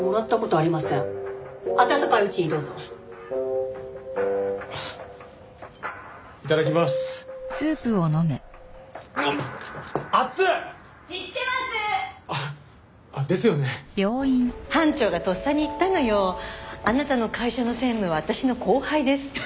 「あなたの会社の専務は私の後輩です」って。